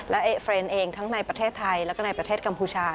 และเฟรนด์เองทั้งในประเทศไทยแล้วก็ในประเทศกัมพูชา